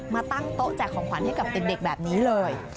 มาตั้งโต๊ะแจกของขวัญให้กับเด็กแบบนี้เลย